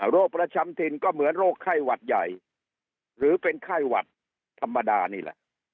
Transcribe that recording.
โรคประจำถิ่นก็เหมือนโรคไข้หวัดใหญ่หรือเป็นไข้หวัดธรรมดานี่แหละ